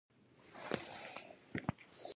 آیا تاسو هم کورت نه خوښیږي.